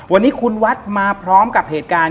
วันนี้คุณวัดมาพร้อมกับเหตุการณ์